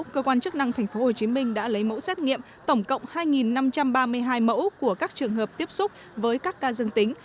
cơ quan chức năng tp hcm đã lấy mẫu xét nghiệm tổng cộng hai năm trăm ba mươi hai mẫu của các trường hợp tiếp xúc với các ca dương tính